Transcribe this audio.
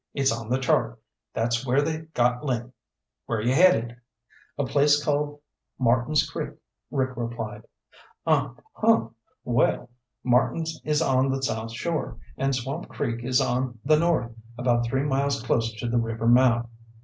It's on the chart. That's where they got Link. Where you headed?" "A place called Martins Creek," Rick replied. "Uh huh. Well, Martins is on the south shore, and Swamp Creek is on the north, about three miles closer to the river mouth.